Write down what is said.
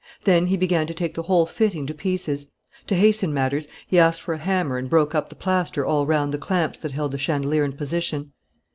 Then he began to take the whole fitting to pieces. To hasten matters, he asked for a hammer and broke up the plaster all round the clamps that held the chandelier in position.